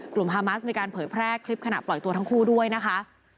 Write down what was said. ฮามัสมีการเผยแพร่คลิปขณะปล่อยตัวทั้งคู่ด้วยนะคะ